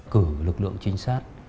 cử lực lượng trinh sát